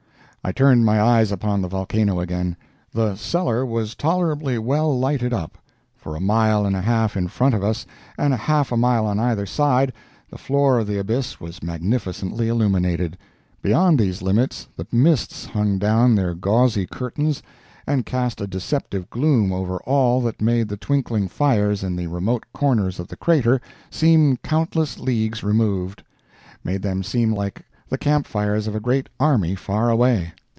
I turned my eyes upon the volcano again. The "cellar" was tolerably well lighted up. For a mile and a half in front of us and half a mile on either side, the floor of the abyss was magnificently illuminated; beyond these limits the mists hung down their gauzy curtains and cast a deceptive gloom over all that made the twinkling fires in the remote corners of the crater seem countless leagues removed—made them seem like the camp fires of a great army far away.